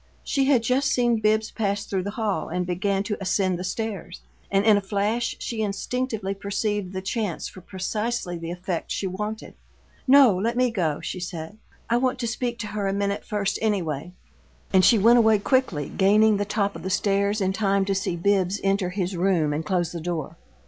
She had just seen Bibbs pass through the hall and begin to ascend the stairs; and in a flash she instinctively perceived the chance for precisely the effect she wanted. "No, let me go," she said. "I want to speak to her a minute first, anyway." And she went away quickly, gaining the top of the stairs in time to see Bibbs enter his room and close the door.